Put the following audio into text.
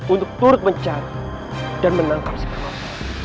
untuk turut mencari dan menangkap si penopeng